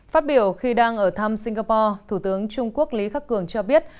phát biểu khi đang ở thăm singapore thủ tướng trung quốc lý khắc cường cho biết